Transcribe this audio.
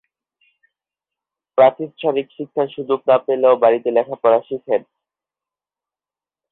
প্রাতিষ্ঠানিক শিক্ষার সুযোগ না পেলেও বাড়িতে লেখাপড়া শিখেন।